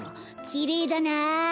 きれいだなあ。